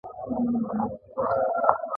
په ملي ګټو کې نیمه برخه د دوی ده